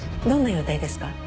どんな容体ですか？